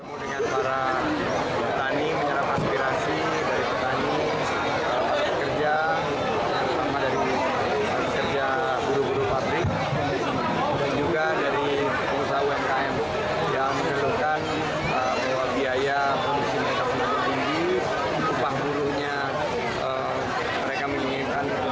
kemudian para petani menyerah aspirasi dari petani pekerja sama dari pekerja buruh buruh pabrik dan juga dari pengusaha umkm yang menurunkan buah biaya produksi mereka penuh tinggi upah buruhnya mereka menyelenggarkan